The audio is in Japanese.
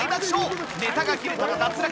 ネタが切れたら脱落！